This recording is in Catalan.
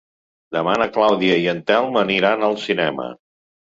Demà na Clàudia i en Telm aniran al cinema.